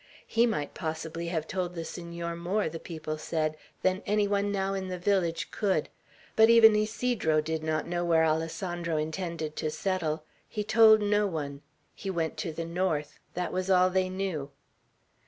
He might possibly have told the Senor more, the people said, than any one now in the village could; but even Ysidro did not know where Alessandro intended to settle. He told no one. He went to the north. That was all they knew.